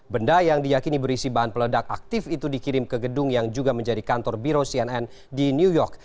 benda yang diyakini berisi bahan peledak aktif itu dikirim ke gedung yang juga menjadi kantor biro cnn di new york